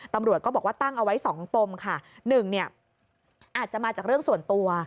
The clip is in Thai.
ตำรวจก็บอกว่าตั้งเอาไว้สองปมค่ะหนึ่งเนี่ยอาจจะมาจากเรื่องส่วนตัว